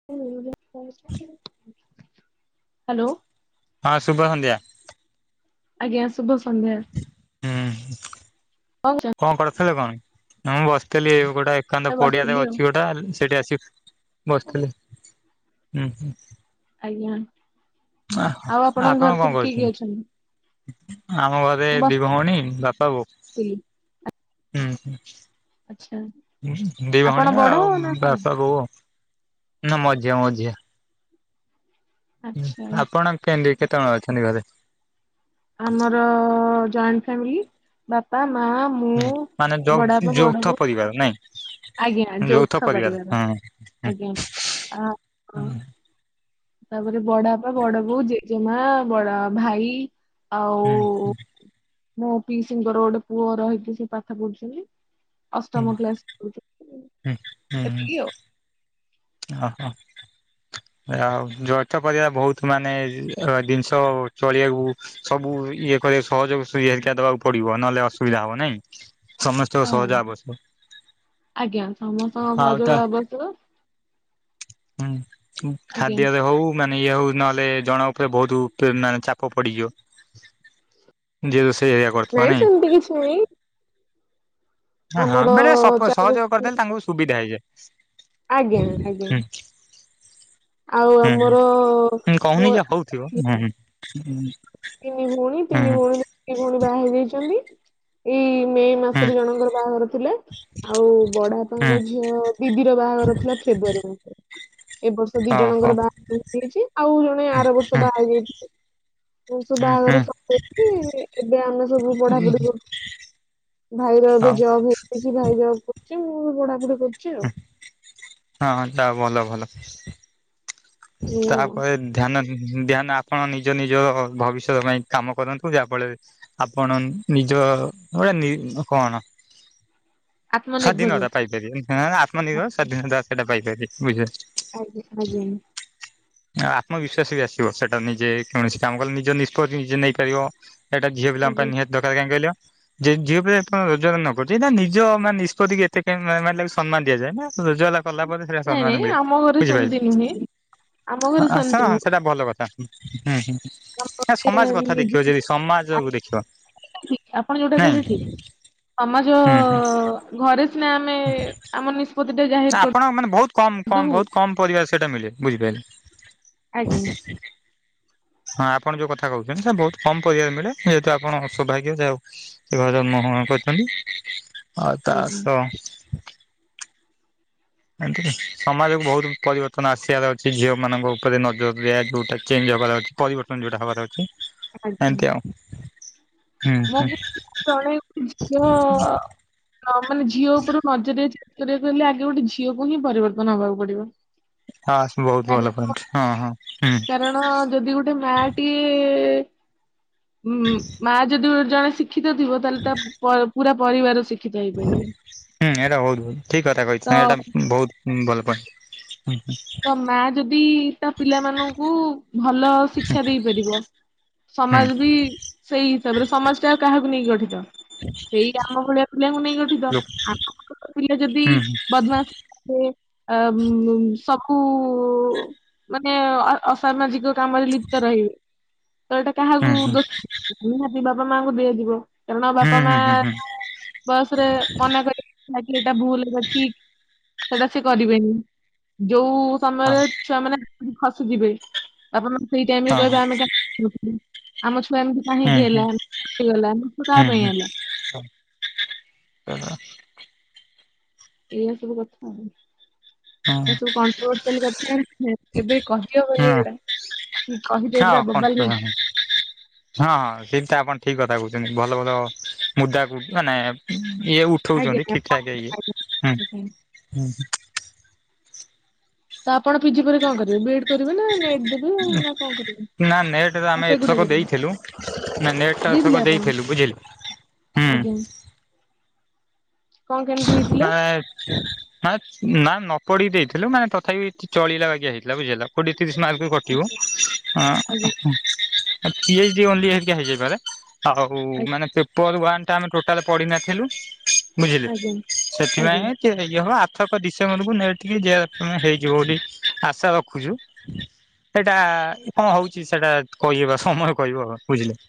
[unintelligible] Hello. ହଁ ଶୁଭ ସନ୍ଧ୍ୟା। ଆଜ୍ଞା ଶୁଭ ସନ୍ଧ୍ୟା। ଉଁ ହୁଁ। କଣ ଚ ନ୍? କଣ କରୁଥିଲେ କଣ ମୁଁ ବସିଥିଲି ଏ ଗୋଟେ ଏକାନ୍ତ କରୁଛନ୍ତି ପଡିଆରେ ବସିଥିଲି ଆଉ ଅଛି ଗୋଟା ସେଠି ଆସି ବସିଥିଲି ଉଁ ହୁଁ। ଆଜ୍ଞା ଆଉ ଆପଣଙ୍କ ଆପଣ ଘରେ କଣ ସବୁ କିଏ କରୁଛନ୍ତି? କିଏ ଅଛନ୍ତି? ଆମ ଘରେ ମୁଁ ଦି ଭଉଣୀ ବାପା ବୋଉ ବସିଥିଲି ଉଁ ହୁଁ। ଆଚ୍ଛା ଉଁ ହୁଁ ଦି‌ ଭ‌ଉଣୀ ଆପଣ ବଡ ଆଉ ନା ସାନ ବାପା ବୋଉ ଆଉ। ନା ମଝିଆ ମଝିଆ। ହୁଁ ଆଚ୍ଛା ଆପଣ କେମିତି କେତେ ଜଣ ଅଛନ୍ତି ଘରେ ‌‌‍‌? ଆମର ଜଏଣ୍ଟ ଫ୍ୟାମିଲି ବାପା ମା ମ ହୁଁ ମାନେ ଯୋ ଯୌଥ ପରିବାର ନାଇଁ? ଆଜ୍ଞା ଯୌଥ ପରିବାର ହୁଁ ଆଜ୍ଞା ଆ ଅଁ ହୁଁ ତାପରେ ବଡା ବାପା ବଡ ବୋଉ ଜେଜେମା ବଡ ଭାଇ। ଆଉ ହୁଁ ମୋ ପିଇସିଙ୍କର ଗୋଟେ ପୁଅ ରହିକି ସେ ପାଠ ପଢୁଛନ୍ତି। ଅଷ୍ଟମ କ୍ଲାସ୍ [unintelligible] ହୁଁ ହୁଁ ହୁଁ ଅ ହ। ଆଉ ଯୌଥ ପରିବାର ବହୁତ୍ ମାନେ ଅ ଜିନିଷ ଚଳିବାକୁ ସବୁ ଇଏ କରି ସହଯୋଗ ଇଏ ହେରିକା ଦବାକୁ ପଡିବ ନହେଲେ ଅସୁବିଧା ହବ ନାଇଁ? ସମସ୍ତେଙ୍କ ଆ ସହଯୋଗ ଆବଶ୍ୟ ଆଜ୍ଞା ସମସ୍ତଙ୍କ ଆଉ ତା ସହଯୋଗ ଆବଶ୍ୟକ। ହୁଁ ହୁଁ ଆଜ୍ଞା। ଖାଦ୍ୟରେ ହଉ ମାନେ ଇଏ ହଉ ନହେଲେ ଜଣ ଉପରେ ବହୁତ ପ୍ରେ ମାନେ ଚାପ ପଡିଯିବ। ଯଉ ରୋଷେଇ ହେରିକା କରିଥିବ ନାଇଁ? ତି କିଛି ନାହିଁ। ହଁ ହଁ ଆମର ମାନେ ସପ ଚାରି ସହଯୋଗ କରିଦେଲେ ବର୍ଷ- ତାଙ୍କୁ ସୁବିଧା ହେଇଯାଏ। ଆଜ୍ଞା ଆଜ୍ଞା। ଆଉ ହୁଁ ହୁଁ ଆମର ହୁଁ ମୋ କହୁନି ଯେ ହଉଥିବ ‌ହୁଁ ହୁଁ ଉଁ ତିନି ଭଉଣୀ ତିନି ଭଉଣୀ ଦି ଭଉଣୀ ବାହା ହେଇଯାଇଛନ୍ତି। ଏଇ ମେ ହୁଁ ମାସରେ ଜଣଙ୍କର ବାହାଘର ଥିଲା। ଆଉ ବଡ ହୁଁ ବାପାଙ୍କ ଝିଅ ଦିଦିର ବାହାଘର ଥିଲା ଫେବୃଆରୀ ମାସରେ। ଏ ବର୍ଷ ଦି ଓହୋ ଜଣଙ୍କର ବାହାଘର ହେଇଯାଇଛି ଆଉ ଜଣେ ଆର ବର୍ଷ ହୁଁ ବାହା ହେଇଯାଇଛି। ଏ ସବୁ ହୁଁ ବାହାଘର ସରିକି ଏବେ ଆମେ ସବୁ ପଢାପଢି ହୁଁ କରୁୁ ଭାଇର ଏବେ ହଁ ଜବ୍ ହେଇଯାଇଛି ଭାଇ ଜବ୍ କରୁଛି ମୁଁ ପଢାପଢି କରୁଛି ଆଉ। ହଁ ତା ଭଲ ଭଲ ଏଇଆ ଆଉ। ତାପରେ ଧ୍ୟାନ ଧ୍ୟାନ ଆପଣ ନିଜ ନିଜ ଭବିଷ୍ୟତ ପାଇଁ କାମ କରନ୍ତୁ ଯାହାଫଳରେ ଆପଣ ନିଜ ଗଟେ ନି କଣ? [inaudible] ସ୍ୱାଧୀନତା ଆତ୍ମନିର୍ଭରଶୀଳ। ପାଇପାରିବେ ଆଁ ଆତ୍ମନିର୍ଭର ସ୍ୱାଧୀନତା ସେଇଟା ପାଇପାରିବେ ବୁଝିଲେ। ଆଜ୍ଞା ଆଜ୍ଞା। ଆତ୍ମବିଶ୍ୱାସ ବି ଆସିବ ସେଟା ନିଜେ କୌଣସି କାମ କଲେ ନିଜ ନିଷ୍ପତ୍ତି ନିଜେ ନେଇପାରିବ। ଏଇଟା ଝିଅ ପିଲାଙ୍କ ଆଜ୍ଞା ପାଇଁ ନିହାତି ଦରକାରେ କାଇଁ କହିଲ? ଯେ ଝିଅ ପିଲା ଯେପର୍ଯ୍ୟନ୍ତ ରୋଜଗାର ନ କରୁଛି ନିଜ ମାନେ ନିଷ୍ପତ୍ତି ଏତେ କାଇଁ ମା ମା ସମ୍ମାନ ଦିଆଯାଏ ନା ରୋଜଗାଲ କଲା ପରେ ସେଟା ସମ୍ମାନ ମିଳେ ବୁଝିପାରିଲ। ହୁଁ ହୁଁ। [unintelligible] ସେଇଟା ଭଲ କଥା ହୁଁ ଆମ ହୁଁ। ଘରେ ସମାଜ କଥା ନିଜେ ଦେଖିବ ଯଦି ସମାଜକୁ ଦେଖିବ। ଆପଣ ଯୋଉଟା ନାଇଁ କହିଲେ ଠିକ। ସମାଜ ହୁଁ ହୁଁ ଘରେ ସିନା ଆମେ ଆମ ନିଷ୍ପତି ନା ଆପଣ ମାନେ ବହୁତ କମ କମ ବହୁତ କମ ପରିବାରେ ସେଇଟା ମିଳେ ବୁଝିପାରିଲେ। ଆଜ୍ଞା [inaudible] ହଁ ଆପଣ ଯୋଉ କଥା କହୁଚନ୍ତି ସେ ବହୁତ କମ ପରିବାରେ ମିଳେ ଯେହେତୁ ଆପଣ ସୌଭାଗ୍ୟ ଯା ହଉ [unintelligible] କରିଚନ୍ତି ଆଉ ତା ଆଜ୍ଞା ସହ ଏତି ସମାଜକୁ ବହୁତ ପରିବର୍ତ୍ତନ ଆସିବାର ଅଛି ଝିଅ ମାନଙ୍କ ଉପରେ ନଜର ଦିଆ ଯଉଟା ଚେଞ୍ଜ ହେବାର ଅଛି। ପରିବର୍ତ୍ତନ ଯେଉଁଟା ହେବାର ଅଛି ଏମିତି ଆଉ। ହୁଁ ହୁଁ ମଁ [unintelligible] ଝିଅ ହଁ ମାନେ ଝିଅ ଉପରୁ ନଜରିଆ ଚେଞ୍ଜ୍ କରିବାକୁ ହେଲେ ଆଗେ ଗୋଟେ ଝିଅକୁ ହିଁ ପରିବର୍ତ୍ତନ ହବାକୁ ପଡିବ। ହଁ ସେ ବହୁତ କାରଣ ଭଲ ପାଆନ୍ତି ହଁ ହଁ ହୁଁ। କାରଣ ଯଦି ଗୋଟେ ମା ଟିଏ ମା ଯଦି ଜଣେ ଶି କ୍ଷିତ ଥିବ, ତାହେଲେ ତା ପ-ପୁରା ପରିବାର ଶି ହୁଁ ଏଇଟା ବହୁତ ଠିକ କଥା କହିଚ। ତ ଏଇଟା ବହୁତ ଭଲ ପଏଣ୍ଟ। ହୁଁ ହୁଁ। ତା ମା ଯଦି ତା ପିଲା ମାନଙ୍କୁ ଭଲ ଶିକ୍ଷା ଦେଇପାରିବ ହୁଁ ସମାଜ ବି ସେଇ ହିସାବରେ ସମାଜ ଟା ଆଉ କାହାକୁ ନେଇକି ଗଠିତ? ସେଇ ଆମ ଭଳିଆ ପିଲାଙ୍କୁ ନେଇକି ଗ ଠିତ। ହୁଁ ଆମ ପିଲା ଯଦି ହୁଁ ବଦମାସ ହେବେ ଅ ସବୁ ମାନେ ଅ-ଅସାମାଜିକ କାମରେ ଲିପ୍ତ ରହିବେ ତ ଏଇଟା ହୁଁ କାହାକୁ ହୁଁ ଦୋଷ ନିହାତି ବାପା ମାଙ୍କୁ ଦିଆଯିବ। କାରଣ ବାପା ମା ଯୋଉ ବୟସରେ ମନା କରିବେ ନା କି ଏଇଟା ଭୁଲ ଏଇଟା ଠିକ୍, ସେଟା ସେ କରିବେନି। ଯୋଉ ସମୟରେ ଛୁଆ ମାନେ ହାତରୁ ଖସିଯିବେ। ବାପା ମା ସେଇ ଟାଇମରେ କହିବେ ଆମେ କାହିଁକି [unintelligible] ଆମ ଛୁଆ ଏମିତି କାହିଁକି ହେଲା ହେଇଗଲା ଦୋଷ କାହା ପାଇଁ ହେଲା? [inaudible] ଏଇଆ ସବୁ କଥା ଆଉ। ଏ ସବୁ କ୍ୟାଣ୍ଟ୍ରୋବର୍ଷିଆଲି କଥା ଏବେ ହଁ କହିହବନି ଏଗୁଡା। ଠିକ କହିଦେ ହଁ ପୁରା ବୋବାଲ କଣ୍ଟ୍ରୋଲ ହେଇ ହଁ ହଁ ସେଇଟା ଆପଣ ଠିକ କଥା କହୁଚନ୍ତି ଭଲ ଭଲ ମୁଦାକୁ ମାନେ ଇ ଉ ଉଠଉଚନ୍ତି ଆଜ୍ଞା ଠିକ ଠାକ ହେଇକି ହୁଁ ହୁଁଁ। ତ ଆପଣ ପିଜି ପରେ କଣ କରିବେ? ବି ଏଡ କରିବେ ନା ନେ ନା ନେଟ ତ ହଁ ଆମେ ସେଗୁଡା ଏଥରକ କରିବି ଦେଇଥିଲୁ। ନା ନେଟ ତା ଆର ଦେଇଥିଲେ ଥରକ ଆପଣ ଦେଇଥିଲୁ। ବୁଝିଲେ? ହୁଁ ଆଜ୍ଞା। କଣ କେମିତି? [unintelligible] ହେଇଥିଲା? ହାସ୍ ନା ନ ପଢି ଦେଇଥିଲୁ ନା ତଥାପି ଚ ଚଳିଲା ବାଗିଆ ହେଇଥିଲା ବୁଝିହେଲା। କୋଡିଏ ତିରିଶ ମାର୍କ ରୁ କ ଆଚ୍ଛା [unintelligible] ଆଜ୍ଞା। ଆଁ ଆ ପି ଏଚ ଡି ଓନଲି ହେରିକା ହେଇଯାଇପାରେ। ଆଉ ଆ- ମାନେ ପେପର ୱାନ ଟା ଆମେ ଟୋଟାଲ ପଢିନଥିଲୁ। ବୁଝିଲେ? ଆଜ୍ଞା ଆଜ୍ଞା ସେଥିପାଇଁ ଚିଅ ହେଇଯିବ ହଁ ଆର ଥରକ ଡିସେମ୍ବରକୁୁ ନେଟ୍ କି ଜେ ଆର୍ ଏଫ୍ ତମେ ହେଇଯିବ ବୋଲି ଆଶା ରଖୁଚୁ। ଏଇଟା କଁ ହଉଚି ସେଟା କହିହବା ସମୟ କହିବ, ବୁଝିଲେ?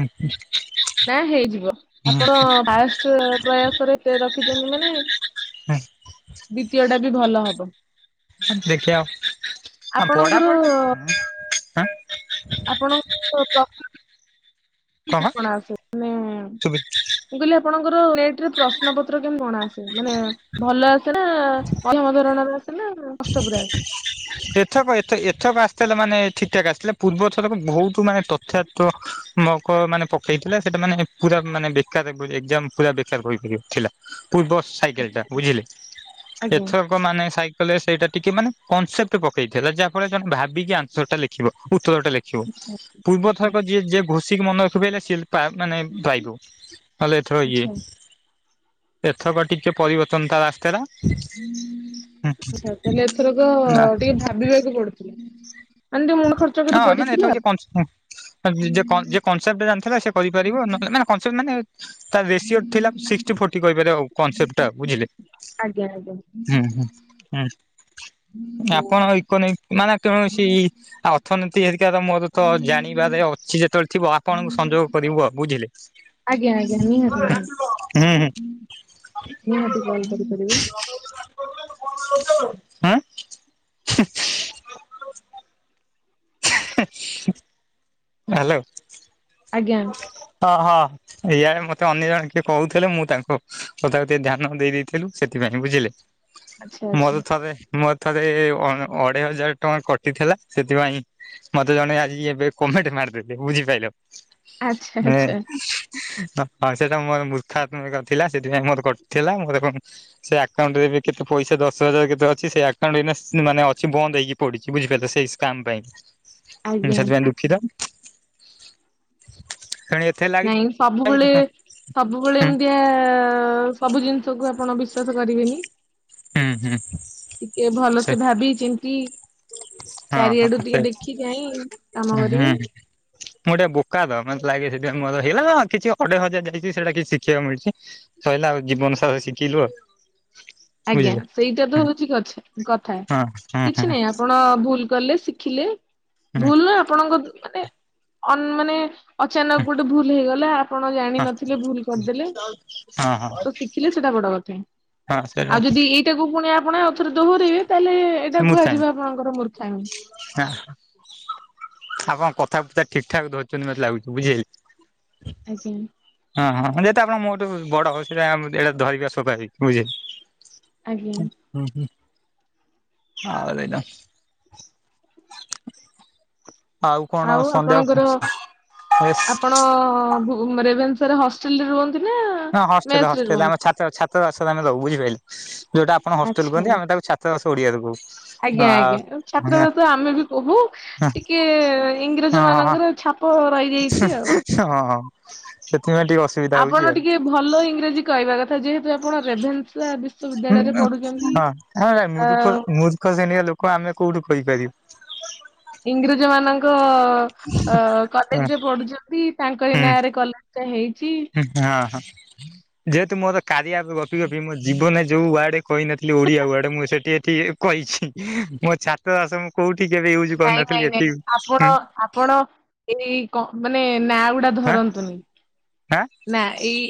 ହୁଁ ହୁଁ। ନାଁ ହେଇଯିବ। ଆପଣ ଫାଷ୍ଟ ପ୍ରୟା ତରେ ଏତେ ରଖିଚନ୍ତି ମାନେ ଦ୍ଵିତୀୟଟା ବି ଭଲ ହବ। ଦେଖିଆ ଆଉ ଆ ଆପଣଙ୍କର ପଢ଼ାପଢ଼ି ପା ଉଁ ଆପଣ ତ ପ୍ରକୃତି [inaudible] ଇ ଇକଣ ଆସେ ନେ ସେବି ମୁଁ କହିଲି ଆପଣଙ୍କର ନେଟ୍ ରେ ପ୍ରଶ୍ ନ ପତ୍ର କେମି କଣ ଆସେ? ମାନେ ଭଲ ଆସେ ନାଁ ମଧ୍ୟମ ଧରଣରେ ଆସେ ନାଁ କଷ୍ଟ ପୁରା? ଏଥରକ ଏତେ ଏଥରକ ଆସିଥିଲା ମାନେ ଠିକ୍ ଠାକ୍ ଆସିଥିଲା। ପୂର୍ବ ଥରକ ବହୁତ ମାନେ ତ ଥା ତ ମକ ମାନେ ପକେଇଥିଲେ, ସେଟା ମାନେ ପୁରା ମାନେ ବେକାର ବୋର୍ ଏକ୍ଜାମ ପୁରା ବେ ତାର କହିଥିଲି ଥିଲା। ପୂର୍ବ ସାଇକେଲ୍ ଟା ଆଚ୍ଛା। ବୁଝିଲେ? ଆଜ୍ଞା ଏଥରକ ମାନେ ସାଇ ହେଲେ ସେଇଟା ଟିକେ ମାନେ କନସେପ୍ଟ ପକେଇଥିଲା, ଯାହା ଫଳରେ କି ଆମେ ଭାବିକି ଆନସର୍ ଟା ଲେଖିବ, ଉତ୍ତରଟା ଲେ ଖିବ। ଆଚ୍ଛା ପୂର୍ବ ଆଚ୍ଛା ଥରକ ଯିଏ ଯେ ଘୋଷିକି ମନ ରଖିପାଇଲା ସିଏଲ୍ ପା ମାନେ ପାଇବ। ହଲେ ଏଥର ଇଏ, ଆଚ୍ଛା। ଏଥରକ ଟିକେ ପରିବର୍ତ୍ତନ ତାର ଆସିଥେଲା। ଆଚ୍ଛା ତାହେଲେ ଏଥରକ ଟିକେ ଭାବିବାକୁ ପଡ଼ୁଥୁଲା। ମାନେ ଟିଏ ମୁଣ୍ଡ ଖର୍ଚ୍ଚ କରି ପଡ଼ିଥିଲା। [unintelligible] ହଁ। ଆଉ ଯିଏ କ ଯିଏ କନସେପ୍ଟ ଜାଣିଥେଲା ସେ କରିପାରିବ ନହେଲେ ନାଁ କନସେପ୍ଟ ମାନେ ତା ରେସିଓ ଥିଲା ସିକ୍ସଟି ଫୋଟି କହିପାରିଅ ଆଉ କନସେପ୍ଟଟା, ବୁଝିଲେ? ଆଜ୍ଞା ଆଜ୍ଞା। ହୁଁ ହୁଁ ଉଁ ଆପଣ ଇକୋନୋଇ ମାନେ କୌଣସି ଅର୍ଥନୀତି ହେରିକାର ମୋର ତ ଜାଣିବାରେ ଅଛି ଯେତେବେଳେ ଥିବ ଆ ପଣଙ୍କୁ ସଂଯୋଗ କରିବୁ ଆ ବୁଝିଲେ? ଆଜ୍ଞା ଆଜ୍ଞା ନିହାତି ହୁଁ ନିହା ହୁଁ ନିହାତି କଲ୍ କରିପାରିବି। ଆଁ [inaudible] ହାଲୋ ଆଜ୍ଞା ହଁ ହଁ। ଇଆଡ଼େ ମତେ ଅନ୍ୟ ଜଣେ କିଏ କହୁଥିଲେ ମୁଁ ତାଙ୍କୁ କଥାକୁ ତିଏ ଧ୍ୟାନ ଦେଇ ଦେଇଥିଲୁ ସେଥିପାଇଁ, ବୁଝିଲେ? ଆଚ୍ଛା ଆଚ୍ଛା। ମୋର ଥରେ ମୋର ଥରେ ଅ ଅଢ଼େଇ ହଜାର ଟଙ୍କା କଟିଥିଲା ସେଥିପାଇଁ ମତେ ଜଣେ ଆଜି ଏବେ କମେଟ ମାରଦେଲେ ବୁଝି ପାଇଲ? ଆଚ୍ଛା ଏଁ ଆଚ୍ଛା ହ ହ ସେଟା ମୋର ମୂର୍ଖାତ୍ମକ ଥିଲା ସେଥିପାଇଁ ମୋର କଟିଥିଲା ମୋର କ ସେ ଆକାଉଣ୍ଟରେ ଏବେ କେତେ ପଇସା ଦଶ ହଜାର କେତେ ଅଛି ସେ ଆକାଉଣ୍ଟ ଏଇନା ମାନେ ଅଛି ବନ୍ଦ ହେଇକି। ପଡ଼ିଚି ବୁଝି ପାଇଲ ସେଇ ସ୍କ୍ୟାମ୍ ପାଇଁ ଉଁ ଆଜ୍ଞା ସେଥିପାଇଁ ଦୁଃଖିତ। ତେଣୁ ଏଥିରେ ଲାଗିଛି ନାଇଁ ସବୁବେଳେ ସବୁବେଳେ ହୁଁ ଏମିତିଆ ସବୁ ଜିନିଷକୁ ଆପଣ ବିଶ୍ଵାସ କରିବେନି। ହୁଁ ହୁଁ। ଟିକେ ସେ ଭଲସେ ଭାବି ଚିନ୍ତି ହଁ ହଁ ଚାରିଆଡ଼ୁ ସେ ଟିକେ ଦେଖି ଚାହିଁ କାମ ହୁଁ ହୁଁ କରିବେ। ମୁଁ ଅଟେ ବୋକା ତ ମତେ ଲାଗେ ସେଥିପାଇଁ ମୋର ହେଇଲା ତ କିଛି ଅଡ଼େଇ ହଜାର ଯାଇଛି ସେଇଟା କିଛି ଶିଖିବାକୁ ମିଳିଚି। ସଇଲା ଆଉ ଜୀବନ ସରା ଶିଖିଲୁ ଆଉ। ଆଜ୍ଞା ବୁଝିଲେ ସେଇଟା ତ ହଁ ହଉଚି କଛ୍ କଥା ହଁ ହଁ ହଁ କିଛି ନାଇଁ ଆ ଆପଣ ଭୁଲ୍ କଲେ ଶିଖିଲେ ହଁ ଭୁଲ୍ ନା ଆପଣଙ୍କ ମାନେ ମାନେ ଅଚାନକ ଗୋଟେ ଭୁଲ ହେଇଗଲା। ଆପଣ ହଁ ଜାଣିନଥିଲେ ଭୁଲ କରିଦେଲେ ହଁ ତ ଶିଖିଲେ ସେଟା ବଡ କଥା। ହଁ ସେଇଟା ଆଉ ଯଦି ଏଇଟା କୁ ଫୁଣି ଆପଣ ଆଉ ଥରେ ଦୋହରାଇବେ ତାହେଲେ ଏଇଟା କୁହାଯିବ ଆପଣଙ୍କର ମୂର୍ଖାମି। ହ [inaudible] ଆପଣ କଥାବୃତା ଠିକ୍ ଠାକ୍ ଧରିଛନ୍ତି ମତେ ଲାଗୁଛି ବୁଝିଲେ। ଆଜ୍ଞା ହଁ ହଁଁ ଜେହେତୁ ଆପଣ ମୋ ଠୁ ବଡ ସେଟା ଏଇଟା ଧରିବା ସୋଭାବିକ୍ ବୁଝିଲେ। ଆଜ୍ଞା ହୁଁ ହୁଁ [inaudible] ହଦିନ କଣ ଆଉ ସନ୍ଧ୍ୟା ଆପଣଙ୍କର ଆପଣ ରେଭନସାର ହଷ୍ଟେଲରେ ରୁହ ହଁ ହଷ୍ଟେଲ ହଷ୍ଟେଲ ଆମଛା ଛାତ୍ର ବାସ ରହୁ ବୁଝିପାରିଲେ ଯଉଟା ଆପଣ ହଷ୍ଟେଲ ଆଚ୍ଛା କୁହନ୍ତି ଆମେ ତାକୁ ଛାତ୍ରବାସ ଓଡିଆରେ କହୁ। ଆଜ୍ଞା ଆଜ୍ଞା ଆଉ ଛାତ୍ରାବାସ ଆମେ ବି କହୁ। ହଁ ଟିକେ ହଁ ଇଂରେଜ ମାନଙ୍କର ଛାପ ରହିଯାଇଛି ଆଉ। ହଁ ହଁ ସେଥିପାଇଁ ଟିକେ ଅ ଆପଣ ଟିକେ ଭଲ ଇଂରାଜୀ କହିବା କଥା ଯେହେତୁ ଆପଣ ରେଭେନ୍ସ ହୁଁ ହଁ ଆ ମୂଖ ମୂର୍ଖ ଶ୍ରେଣୀଆ ଲୋକ ଆମେ କୋଉଠୁ କହିପାରିବୁ। ଇଂରେଜ ମାନଙ୍କ ଅ କଲେଜରେ ହଁ ପଢୁଛନ୍ତି। ତାଙ୍କରି ହୁଁ ନାଁ ରେ କଲେଜ ଟା ହେଇଛି। ହଁ ହଁ ଯେହେତୁ ମୋର କାରିଆ ଗପି ଗପି ମୋ ଜୀବନରେ ଯୋଉ ୱାର୍ଡ କହିନଥିଲି ଓଡିଆ ୱାର୍ଡ ମୁଁ ସେଠି ଏଠି କହିଛି ମୋ ଛାତ୍ରବାସ ମୁଁ କୋଉଠି କେବେ ୟୁଜ୍ ନାଇଁ ନାଇଁ କରୁନଥିଲି ନାଇଁ ଏଠି ଆପଣ ଆପଣ ଏଇ କପ ମାନେ ନାଁ ଗୁଡା ଆଁ ଧରନ୍ତୁନି ଆଁ ନାଁ ଏଇ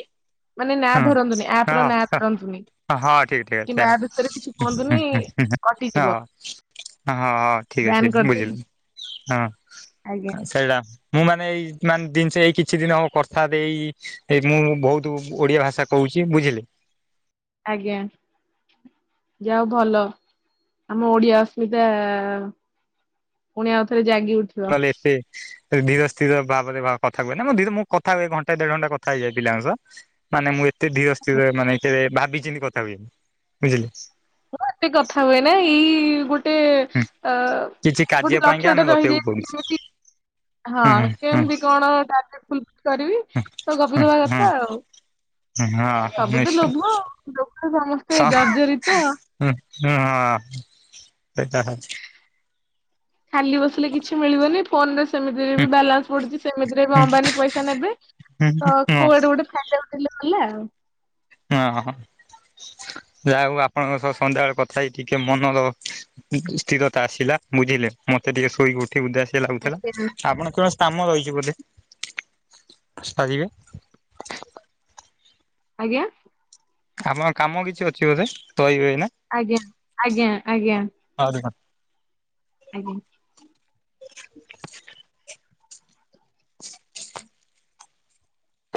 ମାନେ ନାଁ ହଁ ଧରନ୍ତୁନି ଆପ ର ନାଁ ହଁ ଧରନ୍ତୁନି। ହଁ ହଁ ଠିକ କିମ୍ବା ଠିକ ଆ ବିଷୟରେ କିଛି ଅଛି ହିଁ ହିଁ କୁହନ୍ତୁନି ହଁ କଟିଯିବ ହଁ ହଁ ଠିକ ବ୍ୟାନ୍ ଅଛି କରିଦେବି ବୁଝିଲି ଆଜ୍ଞା ହଁ ସେଇଟା ମୁଁ ମାନେ ଏଇ ମାନେ ଜିନିଷ ମାନେ ଏଇ କିଛି ଦିନ କଥା ଦେଇ ମୁଁ ବହୁତ ଓଡ଼ିଆ ଭାଷା କହୁଛି ବୁଝିଲେ ଆଜ୍ଞା। ଯା ହଉ ଭଲ ଆମ ଓଡିଆ ଅସ୍ମିତା ଆ ପୁଣି ଆଉଥରେ ଜାଗି ଉଠି ନହେଲେ ଏତେ ଧୀର ସ୍ଥିର ଭାବରେ କଥା କୁହେନା ମୁଁ ଧରେ ମୁଁ କଥା ହୁଏ ଘଣ୍ଟାଏ ଦେଢ ଘଣ୍ଟା କଥା ହେଇଯାଏ ପିଲାଙ୍କ ସହ ମାନେ ମୁଁ ଏତେ ଧିର ସ୍ଥିର ମାନେ କେବେ ଭାବି ଚିନ୍ତି କଥା ହୁଏନି ବୁଝିଲେ ମୁଁ ଏତେ କଥା ହୁଏନା ଏଇ ଗୋ ଗୋଟେ ହୁଁ ଅ କିଛି ଗୋଟେ କାର୍ଯ୍ୟ ପାଇଁକା ଲକ୍ଷ୍ୟ ଆମେ ଟା ଗପିବାକୁ ରହିଯାଇଚି ପଡୁଛି କେମିତି ହଁ ହୁଁ ହୁଁ କେମିତି ହୁଁ କଣ ଟାର୍ଗେଟ ଫୁଲ ଫିଲ କରିବି ତ ଗପି ଦବା ହୁଁ। କଥା ଆଉ। ହଁ ସବୁ ତ ଲୋଭ ଆଉ ଲୋଭରେ ନିଶ୍ଚୟ ସମସ୍ତେ ହା ଜର୍ଜରିତ। [unintelligible] ହୁଁ ହୁଁ ହଁ ସେଇଟା ହ ଖାଲି ବସିଲେ କିଛି ମିଳିବନି ଫୋନ ରେ ସେମିତିରେ ହୁଁ ବି ବାଲାନ୍ସ ପଡିଛି ସେମିତିରେ ହୁଁ ଅମ୍ବାନୀ ପଇସା ନେବେ ତ ହୁଁ କୁଆଡେ ଗୋଟେ ଫାଇଦା ଉଠେଇଲେ ଗଲା। ହଁ ଅଁ ଯାହା ହଉ ଆପଣଙ୍କ ସହ ସନ୍ଧ୍ୟାବେଳେ କଥା ହେଇି ଟିକେ ମନର ସ୍ଥିରତା ଆସିଲା ବୁଝିଲେ ମତେ ଟିକେ ଶୋଇ ଟିଏ ଉଦାସିଆ ଲାଗୁଥିଲା, ଆପଣଙ୍କ କାମ ରହିଛି ବୋଧେ! ସାରିବେ। ଆଜ୍ଞା। ଆପଣଙ୍କ କାମ କିଛି ଅଛି ବୋଧେ! ରହିବେ ଏଇନା! ଆଜ୍ଞା, ଆଜ୍ଞା, ଆଜ୍ଞା। ଆଉ ଦେଖା। ଆଜ୍ଞା।